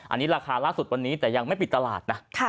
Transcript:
อันนี้ราคาล่าสุดวันนี้แต่ยังไม่ปิดตลาดนะ